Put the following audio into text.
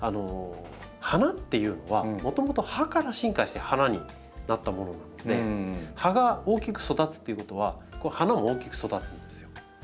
花っていうのはもともと葉から進化して花になったものなので葉が大きく育つっていうことは花も大きく育つんですよ。